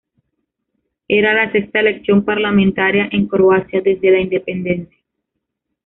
Era la sexta elección parlamentaria en Croacia desde la independencia.